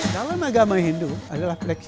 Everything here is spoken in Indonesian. dalam agama hindu adalah fleksi